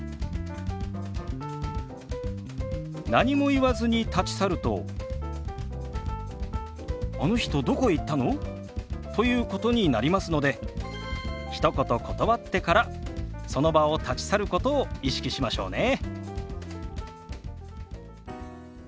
何も言わずに立ち去ると「あの人どこへ行ったの？」ということになりますのでひと言断ってからその場を立ち去ることを意識しましょうね。